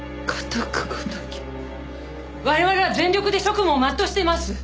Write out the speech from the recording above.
我々は全力で職務を全うしています！